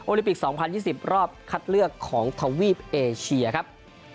ลิปิก๒๐๒๐รอบคัดเลือกของทวีปเอเชียครับ